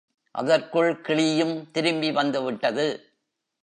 அதற்குள் கிளியும் திரும்பி வந்துவிட்டது.